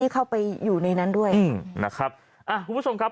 เข้าไปอยู่ในนั้นด้วยอืมนะครับอ่าคุณผู้ชมครับ